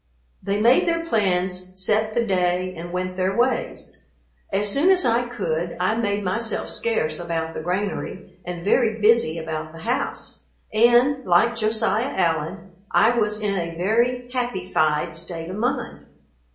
They made their plans, set the day, and went their ways. As soon as I could, I made myself scarce about the granary and very busy about the house, and, like Josiah Allen, I was in a very "happyfied" state of mind.